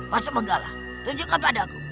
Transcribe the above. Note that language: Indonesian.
mas mughalah tunjukkan padaku